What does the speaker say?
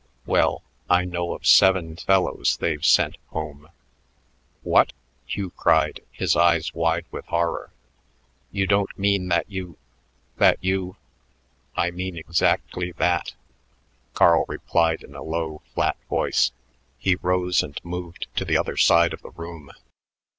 "Well, I know of seven fellows they've sent home." "What!" Hugh cried, his eyes wide with horror. "You don't mean that you that you " "I mean exactly that," Carl replied in a low, flat voice. He rose and moved to the other side of the room.